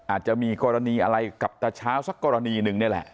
อาจจะมีกรณีอะไรกับตาเช้าสักกรณีหนึ่งนี่แหละ